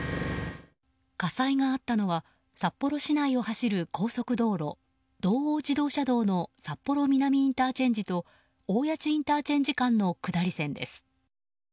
火災があったのは札幌市内を走る高速道路道央自動車道の札幌南ＩＣと大谷地ＩＣ間の下り線です。